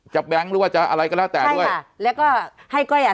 แบงค์หรือว่าจะอะไรก็แล้วแต่ด้วยค่ะแล้วก็ให้ก้อยอ่ะ